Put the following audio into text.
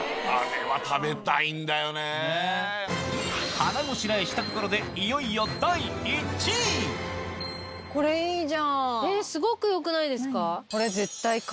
腹ごしらえしたところでいよいよすごくよくないですか？